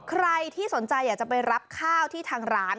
ใครที่สนใจอยากจะไปรับข้าวที่ทางร้าน